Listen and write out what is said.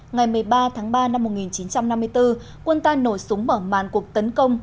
ngày một mươi ba tháng ba năm một nghìn chín trăm năm mươi bốn quân ta nổ súng mở màn cuộc tấn công